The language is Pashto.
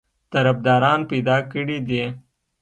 طرفداران پیدا کړي دي.